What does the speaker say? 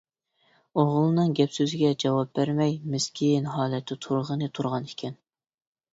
ئوغلىنىڭ گەپ-سۆزگە جاۋاب بەرمەي، مىسكىن ھالەتتە تۇرغىنى تۇرغان ئىكەن.